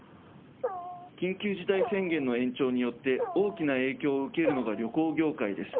緊急事態宣言の延長によって、大きな影響を受けるのが旅行業界です。